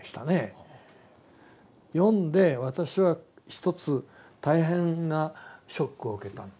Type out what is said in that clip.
読んで私は一つ大変なショックを受けた。